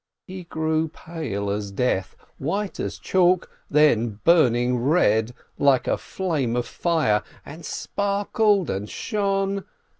He grew pale as death, white as chalk, then burning red like a flame of fire, and sparkled and shone.